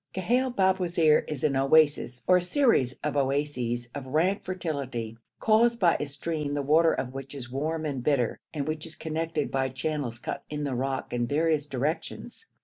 Ghail Babwazir is an oasis or series of oases of rank fertility, caused by a stream the water of which is warm and bitter, and which is conducted by channels cut in the rock in various directions.